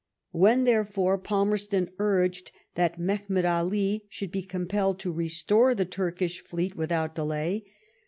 When therefore Palmerston urged that Mehemet Ali should be compelled to restore the Turkish fleet without delay.